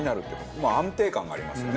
まあ安定感がありますよね。